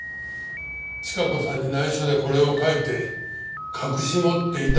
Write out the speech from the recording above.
チカ子さんに内緒でこれを書いて隠し持っていたんだよ。